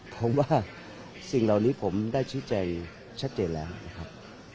ผมว่าสิ่งเหล่านี้ผมได้ชี้แจงชัดเจนแล้วนะครับ